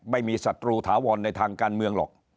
ศัตรูถาวรในทางการเมืองหรอก